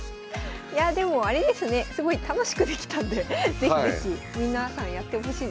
いやでもあれですねすごい楽しくできたんで是非是非皆さんやってほしいですね。